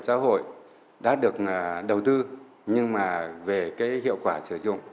giảm xã hội đã được đầu tư nhưng mà về hiệu quả sử dụng